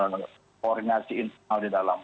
koordinasi internal di dalam